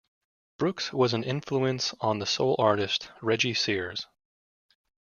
Brooks was an influence on the soul artist Reggie Sears.